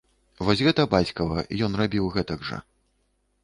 Вось гэта бацькава, ён рабіў гэтак жа.